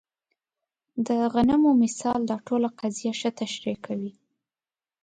د غنمو مثال دا ټوله قضیه ښه تشریح کوي.